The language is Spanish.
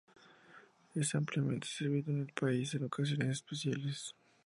Es ampliamente servido en el país en ocasiones especiales.